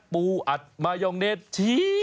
ปูอัดมายองเนท